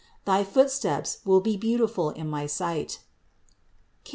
Thy footsteps will be beautiful in my sight (Cant.